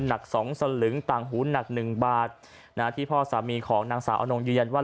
หนักสองสลึงต่างหูหนักหนึ่งบาทที่พ่อสามีของนางสาวอนงยืนยันว่า